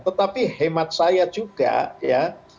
tetapi hemat saya juga ya